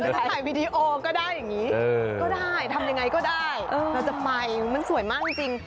จะถ่ายวีดีโอก็ได้อย่างนี้ก็ได้ทำยังไงก็ได้เธอจะไปมันสวยมากจริง